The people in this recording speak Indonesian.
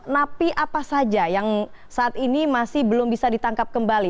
napi apa saja yang saat ini masih belum bisa ditangkap kembali